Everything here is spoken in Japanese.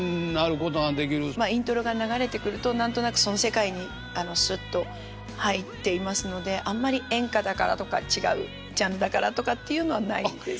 まあイントロが流れてくると何となくその世界にすっと入っていますのであんまり演歌だからとか違うジャンルだからとかっていうのはないです。